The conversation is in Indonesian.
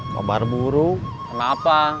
kabar buruk kenapa